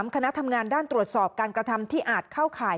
คณะทำงานด้านตรวจสอบการกระทำที่อาจเข้าข่าย